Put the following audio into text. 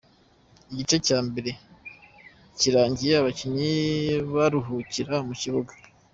Igice cya mbere kirangiye abakinnyi baruhukira mu kibuga.